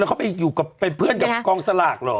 เขาไปอยู่กับเป็นเพื่อนกับกองสลากเหรอ